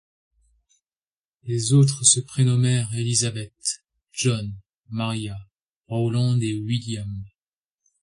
Les autres se prénommèrent Elizabeth, John, Maria, Rowland et William.